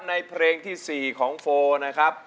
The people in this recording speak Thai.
ในเพลงที่๔ของโฟนะครับ